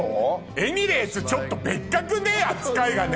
エミレーツちょっと別格ね扱いがね。